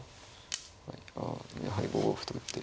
はいあやはり５五歩と打って。